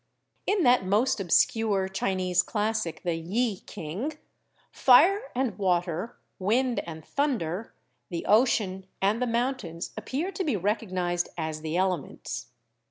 In that most obscure Chinese classic, the 'Yi King,' fire and water, wind and thunder, the ocean and the mountains, appear to be recognised as the elements.